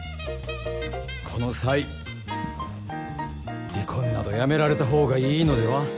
この際離婚などやめられた方がいいのでは？